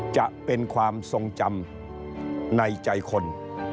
จะเป็นความทรงจำในใจคน